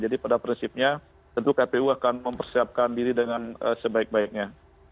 pada prinsipnya tentu kpu akan mempersiapkan diri dengan sebaik baiknya